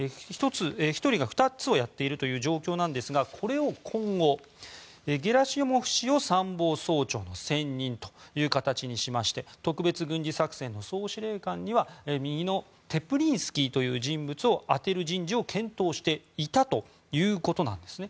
１人が２つをやっているという状況なんですがこれを今後、ゲラシモフ氏を参謀総長に専任という形にしまして特別軍事作戦の総司令官には右のテプリンスキーという人物を充てる人事を検討していたということなんですね。